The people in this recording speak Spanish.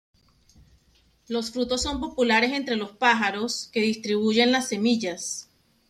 Los frutos son populares entre los pájaros, que distribuyen las semillas.